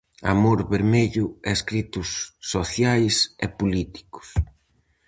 Amor vermello e escritos sociais e políticos.